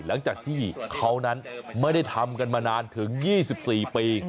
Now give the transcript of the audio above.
หลังจากที่เขานั้นไม่ได้ทำกันมานานถึง๒๔ปี